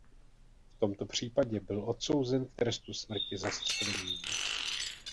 V tomto případě byl odsouzen k trestu smrti zastřelením.